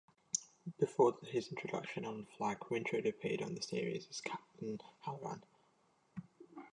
Before his introduction as Flagg, Winter had appeared on the series as Captain Halloran.